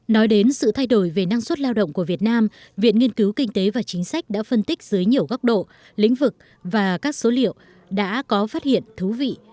nói đến sự thay đổi về năng suất lao động của việt nam viện nghiên cứu kinh tế và chính sách đã phân tích dưới nhiều góc độ lĩnh vực và các số liệu đã có phát hiện thú vị